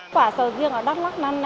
quả sầu riêng ở đắk lắc